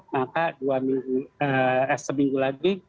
maka dua minggu eh seminggu lagi